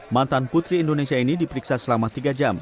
mantan putri indonesia ini diperiksa selama tiga jam